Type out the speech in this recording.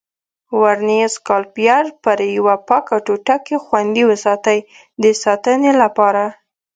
ورنیز کالیپر پر یوه پاکه ټوټه کې خوندي وساتئ د ساتنې لپاره.